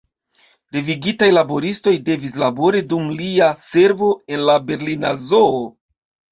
Devigitaj laboristoj devis labori dum lia servo en la Berlina Zoo.